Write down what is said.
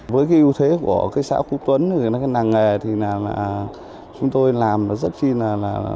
với cái ưu thế của cái xã quốc tuấn cái nàng nghề thì là chúng tôi làm rất chi là